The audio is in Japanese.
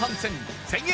１０００円